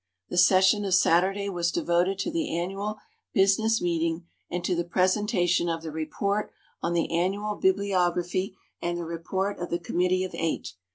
The session of Saturday was devoted to the annual business meeting and to the presentation of the report on the Annual Bibliography and the Report of the Committee of Eight.